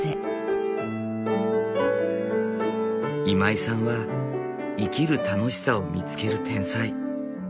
今井さんは生きる楽しさを見つける天才。